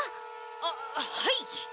あっはい！